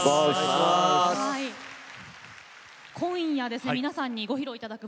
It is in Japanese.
今夜、皆さんにご披露いただく